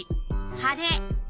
晴れ。